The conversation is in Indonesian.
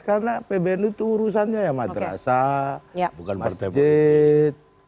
karena pbnu itu urusannya ya madrasah masjid